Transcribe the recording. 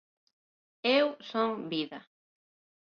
Eu son vida.